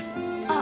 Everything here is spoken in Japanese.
あ！